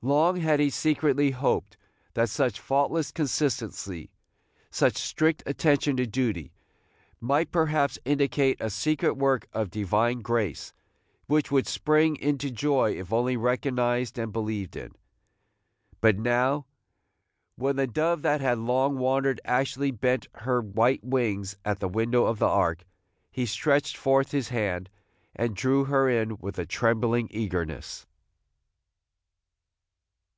Long had he secretly hoped that such faultless consistency, such strict attention to duty, might perhaps indicate a secret work of divine grace, which would spring into joy if only recognized and believed in. But now, when the dove that had long wandered actually bent her white wings at the window of the ark, he stretched forth his hand and drew her in with a trembling eagerness.